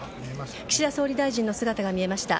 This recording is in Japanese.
岸田総理大臣の姿がありました。